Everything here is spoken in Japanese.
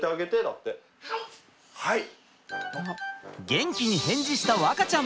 元気に返事した和花ちゃん。